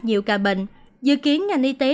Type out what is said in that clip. nhiều ca bệnh dự kiến ngành y tế